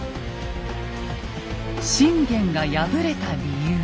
信玄が敗れた理由。